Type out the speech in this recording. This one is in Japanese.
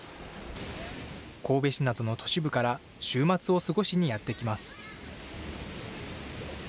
神戸市などの都市部から、週末を過ごしにやって来ます。